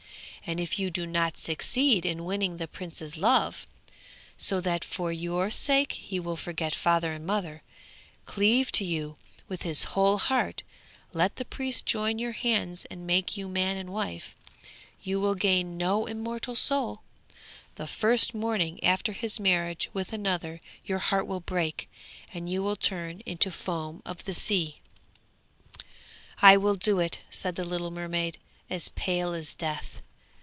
And if you do not succeed in winning the prince's love, so that for your sake he will forget father and mother, cleave to you with his whole heart, let the priest join your hands and make you man and wife, you will gain no immortal soul! The first morning after his marriage with another your heart will break, and you will turn into foam of the sea.' 'I will do it,' said the little mermaid as pale as death.